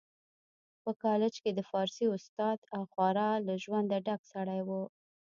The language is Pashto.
په کالج کي د فارسي استاد او خورا له ژونده ډک سړی و